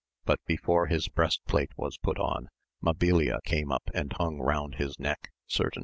but before his breast plate was put on Mabilia came up and hung round his neck certain AMADIS OF GAUL.